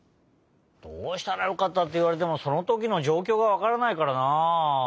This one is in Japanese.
どうしたらよかったっていわれてもそのときのじょうきょうがわからないからなあ。